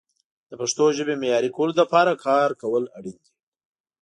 د پښتو ژبې معیاري کولو لپاره کار کول اړین دي.